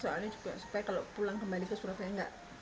soalnya supaya kalau pulang kembali ke surabaya gak